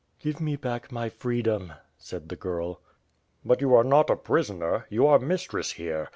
"Give me back my freedom,'' said the girl. "But you are not a prisoner? You are mistress here.